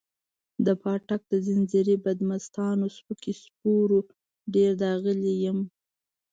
د پاټک د ځنځیري بدمستانو سپکو سپورو ډېر داغلی یم.